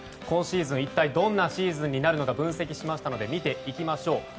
今シーズン、一体どんなシーズンになるのか分析しましたので見ていきましょう。